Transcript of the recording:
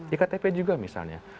ya ktp juga misalnya